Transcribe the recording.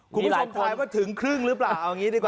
คุณผู้ชมทายว่าถึงครึ่งหรือเปล่าเอาอย่างนี้ดีกว่า